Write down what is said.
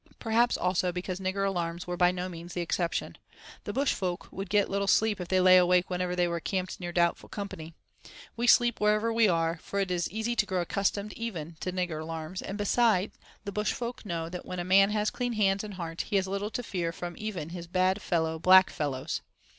Perhaps also because nigger alarms were by no means the exception: the bush folk would get little sleep if they lay awake whenever they were camped near doubtful company. We sleep wherever we are, for it is easy to grow accustomed even to nigger alarms, and beside, the bush folk know that when a man has clean hands and heart he has little to fear from even his "bad fellow black fellows."